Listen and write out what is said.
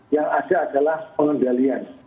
yang ada adalah pengendalian